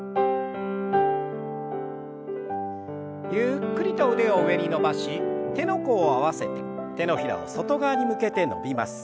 ゆっくりと腕を上に伸ばし手の甲を合わせて手のひらを外側に向けて伸びます。